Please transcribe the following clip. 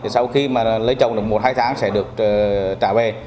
sau khi mà lấy chồng được một hai tháng sẽ được trả về